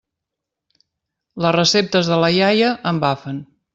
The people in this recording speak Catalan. Les receptes de la iaia embafen.